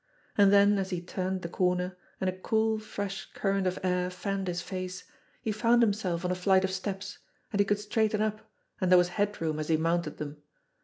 And then as he turned the corner, and a cool, fresh current of air fanned his face, he found himself on a flight of steps, and he could straighten up and there was head room as he mounted them.